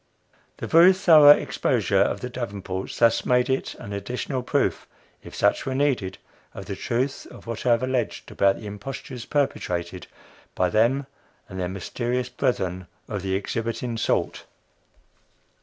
The very thorough exposure of the Davenports thus made is an additional proof if such were needed of the truth of what I have alleged about the impostures perpetrated by them and their "mysterious" brethren of the exhibiting sort.